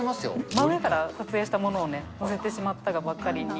真上から撮影したものを載せてしまったがばっかりに。